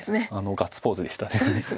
ガッツポーズでしたね。